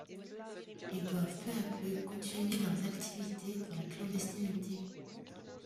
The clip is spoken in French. Ils doivent peu à peu continuer leurs activités dans la clandestinité.